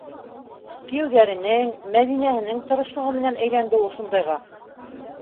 Кейәүҙәренең, Мәҙинәһенең тырышлығы менән әйләнде ул шундайға.